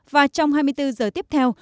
và trong hai mươi bốn giờ tiếp theo